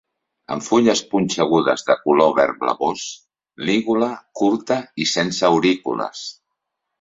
Amb fulles punxegudes de color verd blavós, lígula curta i sense aurícules.